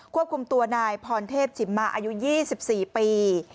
ควบคุมตัวนายพรเทพจิมมาอายุ๒๔ปี